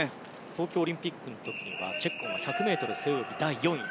東京オリンピックではチェッコンは１００ｍ背泳ぎ第４位。